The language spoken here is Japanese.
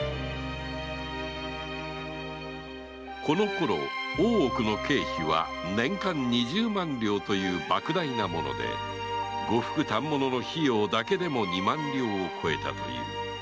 このころ大奥の経費は年間二十万両という莫大なもので呉服・反物の費用だけでも二万両を超えたという